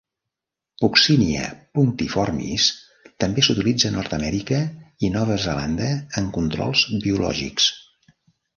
"Puccinia punctiformis" també s'utilitza a Nord Amèrica i Nova Zelanda en controls biològics.